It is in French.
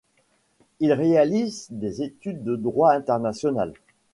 Il réalise des études de droit international.